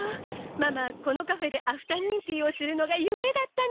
ママこのカフェでアフタヌーンティーをするのが夢だったの！